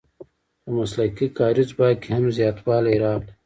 په مسلکي کاري ځواک کې هم زیاتوالی راغلی.